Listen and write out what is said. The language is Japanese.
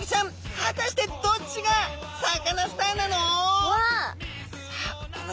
果たしてどっちがサカナスターなの？